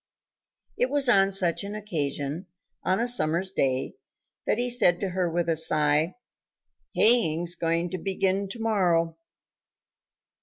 It was on such an occasion, on a summer's day, that he said to her with a sigh, "Haying's going to begin to morrow."